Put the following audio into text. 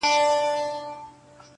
زندانونو ته خپلوان یې وه لېږلي-